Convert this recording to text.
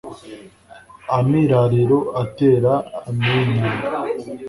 amirariro atera aminaro